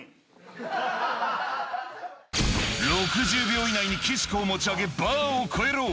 ６０秒以内に岸子を持ち上げ、バーを越えろ。